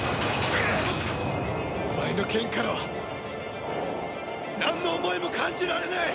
お前の剣からはなんの思いも感じられない！